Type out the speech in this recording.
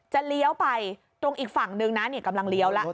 เลี้ยวไปตรงอีกฝั่งนึงนะกำลังเลี้ยวแล้ว